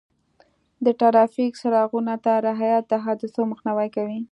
د ټرافیک څراغونو ته رعایت د حادثو مخنیوی کوي.